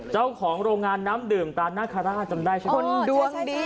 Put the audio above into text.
เจ้าของโรงงานน้ำดื่มตานาคาราชจำได้ใช่ไหมคนดวงดี